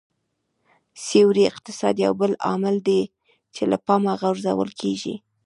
سیوري اقتصاد یو بل عامل دی چې له پامه غورځول کېږي